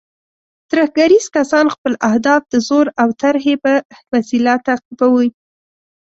ترهګریز کسان خپل اهداف د زور او ترهې په وسیله تعقیبوي.